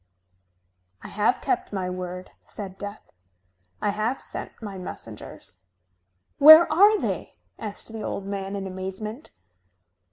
"I have kept my word," said Death. "I have sent my messengers." "Where are they?" asked the old man in amazement.